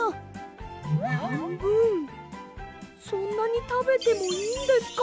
はんぶんそんなにたべてもいいんですか？